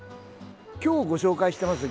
今日ご紹介してます